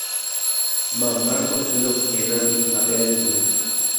mamá koty rokẽ nandihápe ajuhu